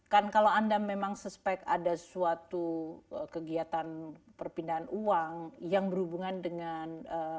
kan kalau anda memang suspek ada suatu kegiatan perpindahan uang yang berhubungan dengan